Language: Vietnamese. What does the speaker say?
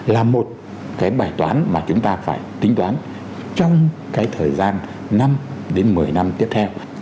là một cái bài toán mà chúng ta phải tính toán trong cái thời gian năm đến một mươi năm tiếp theo